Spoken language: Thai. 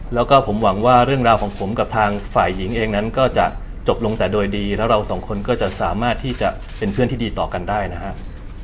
แล้วก็ผมหวังว่าเรื่องราวของผมกับทางฝ่ายหญิงเองนั้นก็จะจบลงแต่โดยดีแล้วเราสองคนก็จะสามารถที่จะเป็นเพื่อนที่ดีต่อกันได้นะครับ